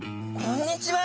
こんにちは！